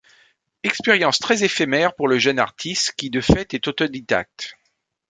Expérience très éphémère pour le jeune artiste qui de fait est autodidacte.